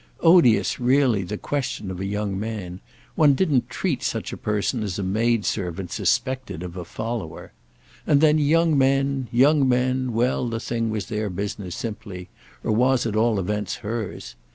Odious really the question of a young man; one didn't treat such a person as a maid servant suspected of a "follower." And then young men, young men—well, the thing was their business simply, or was at all events hers.